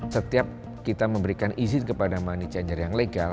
setiap kita memberikan izin kepada money changer yang legal